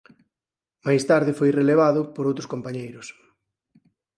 Máis tarde foi relevado por outros compañeiros.